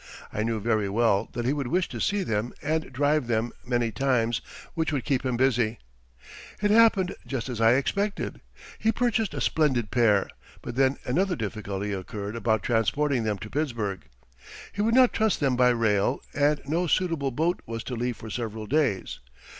I knew very well that he would wish to see them and drive them many times which would keep him busy. It happened just as I expected. He purchased a splendid pair, but then another difficulty occurred about transporting them to Pittsburgh. He would not trust them by rail and no suitable boat was to leave for several days.